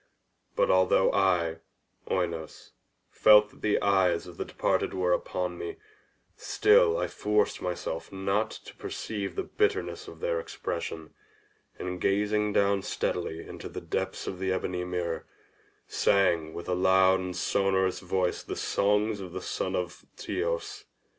But although I, Oinos, felt that the eyes of the departed were upon me, still I forced myself not to perceive the bitterness of their expression, and gazing down steadily into the depths of the ebony mirror, sang with a loud and sonorous voice the songs of the son of Teios.